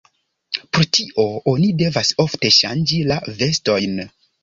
Pro tio oni devas ofte ŝanĝi la vestojn.